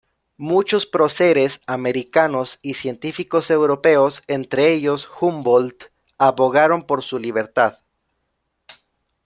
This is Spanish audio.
Muchos próceres americanos y científicos europeos, entre ellos Humboldt, abogaron por su libertad.